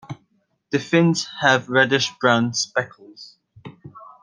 The fins have reddish-brown speckles.